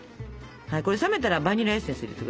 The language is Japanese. これ冷めたらバニラエッセンス入れて下さいよ。